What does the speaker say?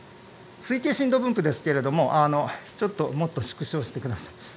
推定震度分布ですがちょっともっと縮小してください。